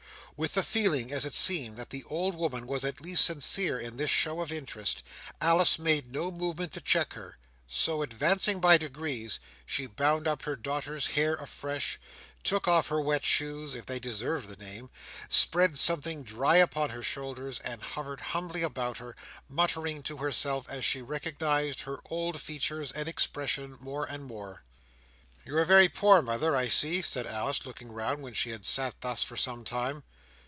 With the feeling, as it seemed, that the old woman was at least sincere in this show of interest, Alice made no movement to check her; so, advancing by degrees, she bound up her daughter's hair afresh, took off her wet shoes, if they deserved the name, spread something dry upon her shoulders, and hovered humbly about her, muttering to herself, as she recognised her old features and expression more and more. "You are very poor, mother, I see," said Alice, looking round, when she had sat thus for some time.